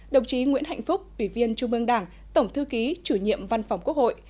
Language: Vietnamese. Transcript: đồng chí nguyễn hạnh phúc ủy viên trung ương đảng tổng thư ký chủ nhiệm văn phòng quốc hội